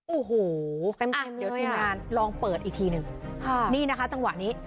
โอ้โหเต็มเต็มเดี๋ยวทีมงานลองเปิดอีกทีหนึ่งค่ะนี่นะคะจังหวะนี้